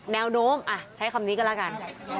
แนวโน้มใช้คำนี้ก็แล้วกัน